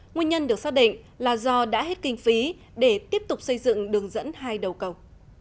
nguyên nhân được xác định là do đã hết kinh phí để tiếp tục xây dựng đường dẫn hai đầu cầu